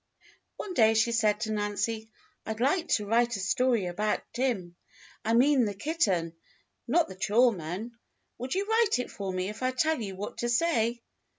One day she said to Nancy: "I'd like to write a story about Tim. I mean the kitten, not the chore man. Would you write it for me if I tell you what to say.?"